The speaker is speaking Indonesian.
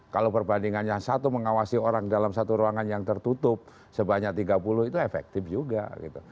kalau perbandingannya satu mengawasi orang dalam satu ruangan yang tertutup sebanyak tiga puluh itu efektif juga gitu